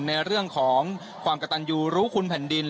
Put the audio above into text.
ในเรื่องของความกระตันยูรู้คุณแผ่นดิน